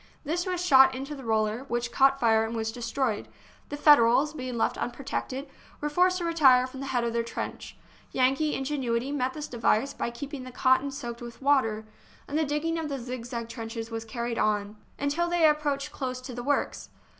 This was shot into the roller, which caught fire and was destroyed ; and the Federals, being left unprotected, were forced to retire from the head of their trench. Yankee ingenuity met this device by keeping the cotton soaked with water, and the digging of the zigzag trenches was carried on until THE BOOK OF FAMOUS SIEGES they approached close to the works.